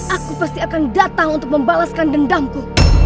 aku pasti akan datang untuk membalaskan dendamku